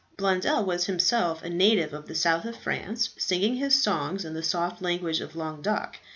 Blondel was himself a native of the south of France, singing his songs in the soft language of Languedoc.